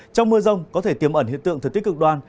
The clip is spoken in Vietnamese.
trong mưa rông có thể tiềm ẩn hiện tượng thực tích cực đoan